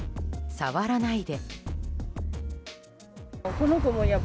触らないで！